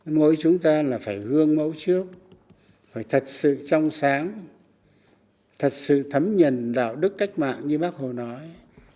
mỗi chúng ta là phải gương mẫu trước phải thật sự trong sáng thật sự thấm nhận đạo đức cách mạng như bác hồ nói